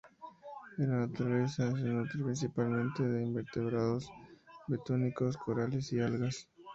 En la naturaleza se nutre principalmente de invertebrados bentónicos, corales y algas.